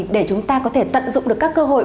để chúng ta có thể tận dụng được các cơ hội